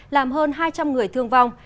làm hơn hai trăm linh người thương vong